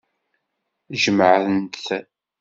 Jemɛen-t.